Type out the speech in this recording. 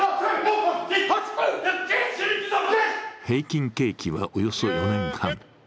平均刑期は、およそ４年半。